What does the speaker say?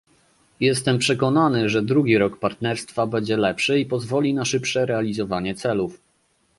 Jestem przekonany, że drugi rok partnerstwa będzie lepszy i pozwoli na szybsze realizowanie celów